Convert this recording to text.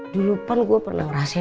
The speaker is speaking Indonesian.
dulu kan gue pernah ngerasain